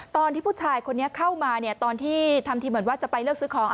ตอนที่ผู้ชายคนนี้เข้ามาตอนที่ทำทีเหมือนว่าจะไปเลือกซื้อของ